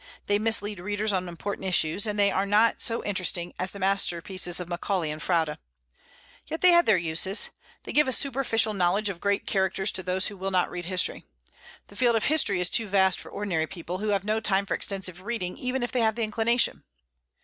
They mislead readers on important issues, and they are not so interesting as the masterpieces of Macaulay and Froude. Yet they have their uses. They give a superficial knowledge of great characters to those who will not read history. The field of history is too vast for ordinary people, who have no time for extensive reading even if they have the inclination.